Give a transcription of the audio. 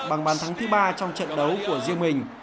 bằng bàn thắng thứ ba trong trận đấu của riêng mình